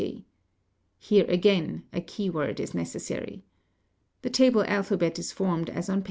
Here again a key word is necessary. The table alphabet is formed as on p.